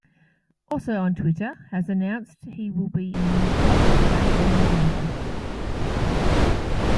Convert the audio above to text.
Also on Twitter has announced he will be in Macbeth again in November!